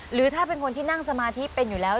หรือถ้าเป็นคนที่นั่งสมาธิเป็นอยู่แล้ว